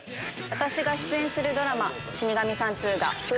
私が出演するドラマ。